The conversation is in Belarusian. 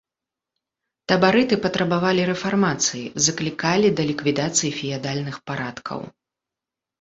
Табарыты патрабавалі рэфармацыі, заклікалі да ліквідацыі феадальных парадкаў.